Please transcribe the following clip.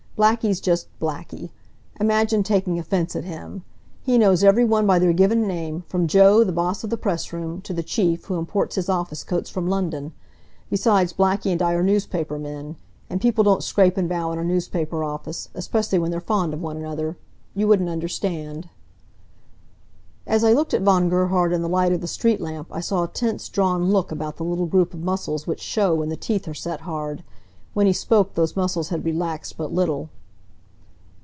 "Blackie's just Blackie. Imagine taking offense at him! He knows every one by their given name, from Jo, the boss of the pressroom, to the Chief, who imports his office coats from London. Besides, Blackie and I are newspaper men. And people don't scrape and bow in a newspaper office especially when they're fond of one another. You wouldn't understand." As I looked at Von Gerhard in the light of the street lamp I saw a tense, drawn look about the little group of muscles which show when the teeth are set hard. When he spoke those muscles had relaxed but little.